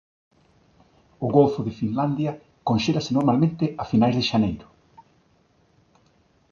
O golfo de Finlandia conxélase normalmente a finais de xaneiro